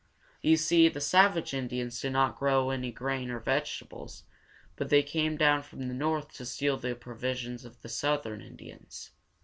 You see, the savage Indians did not grow any grain or vegetables, but they came down from the north to steal the provisions of the southern Indians.